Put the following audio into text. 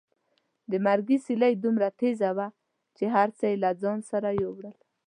د مرګي سیلۍ دومره تېزه وه چې هر څه یې له ځان سره یوړل.